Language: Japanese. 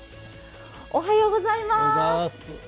おはようございます。